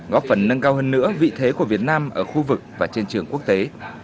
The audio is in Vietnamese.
góp phần nâng cao hơn nữa vị thế của việt nam ở khu vực và trên trường quốc tế